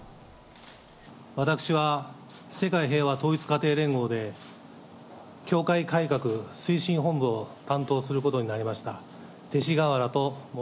私は、世界平和統一家庭連合で、教会改革推進本部を担当することになりました、